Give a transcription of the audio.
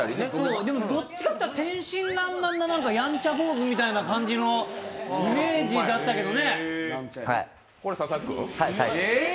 でもどっちかというと天真爛漫なやんちゃ坊主みたいなイメージだったけどね。